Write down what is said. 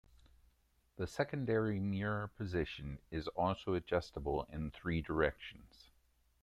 The secondary mirror position is also adjustable in three directions.